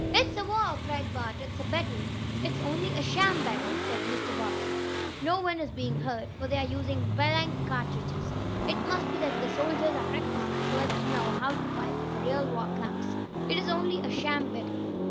"It's a war!" cried Bert. "It's a battle!" "It's only a sham battle!" said Mr. Bobbsey. "No one is being hurt, for they are using blank cartridges. It must be that the soldiers are practicing so as to know how to fight if a real war comes. It is only a sham battle."